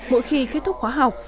mỗi khi kết thúc khóa học